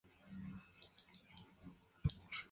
No obstante, jamás fue entregado a la Luftwaffe.